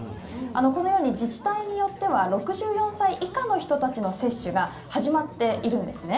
このように自治体によって６４歳以下の人たちの接種が始まっているんですね。